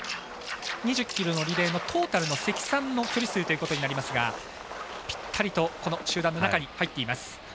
２０ｋｍのレースのトータルの積算の距離数ということになりますがぴったりと集団の中に入っています。